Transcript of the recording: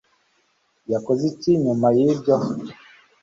yakoze iki nyuma yibyo